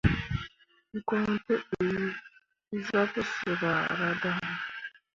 Goŋ tǝ dii zah pǝsǝr ahradaŋ.